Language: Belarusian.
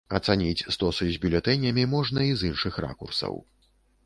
Ацаніць стосы з бюлетэнямі можна і з іншых ракурсаў.